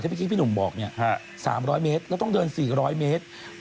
ถ้าพี่คิดพี่หนุ่มบอกเนี่ย๓๐๐เมตรแล้วต้องเดิน๔๐๐เมตร